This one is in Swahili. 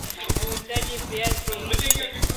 mama wajawazito na wanaonyonyesha pia huhitaji viazi lishe